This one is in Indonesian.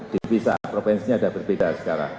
divisa provinsinya ada berbeda sekarang